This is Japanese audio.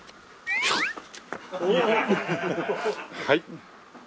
はい。